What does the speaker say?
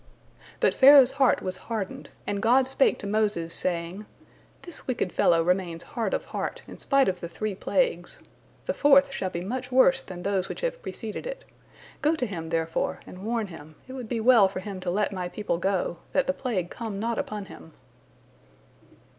But Pharaoh's heart was hardened, and God spake to Moses, saying, "This wicked fellow remains hard of heart, in spite of the three plagues. The fourth shall be much worse than those which have preceded it. Go to him, therefore, and warn him, it would be well for him to let My people go, that the plague come not upon him."